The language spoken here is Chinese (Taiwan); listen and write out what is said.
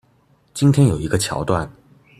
今天有一個橋段